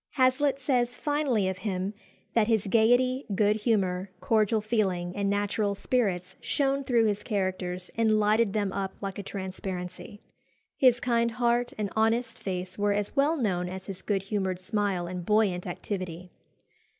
Hazlitt says finely of him that his "gaiety, good humour, cordial feeling, and natural spirits shone through his characters and lighted them up like a transparency." His kind heart and honest face were as well known as his good humoured smile and buoyant activity.